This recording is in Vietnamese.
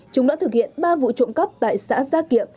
chúng đã thực hiện ba vụ trộm cắp tại xã gia kiệm